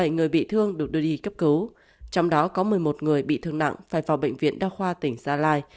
bảy người bị thương được đưa đi cấp cứu trong đó có một mươi một người bị thương nặng phải vào bệnh viện đa khoa tỉnh gia lai